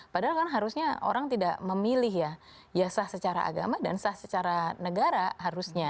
padahal kan harusnya orang tidak memilih ya sah secara agama dan sah secara negara harusnya